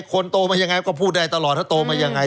คนโตมายังไงก็พูดได้ตลอดถ้าโตมายังไง